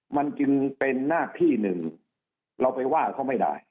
มันจึงเป็นหน้าที่หนึ่งเราไปว่าเขาไม่ได้